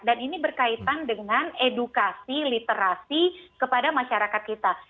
dan ini berkaitan dengan edukasi literasi kepada masyarakat kita